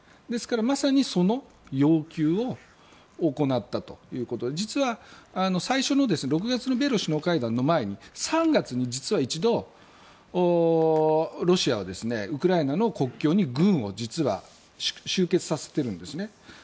ですから、まさにその要求を行ったということで実は最初の６月の米ロ首脳会談の前に３月に実は一度ロシアはウクライナの国境に実は軍を集結させているんですね。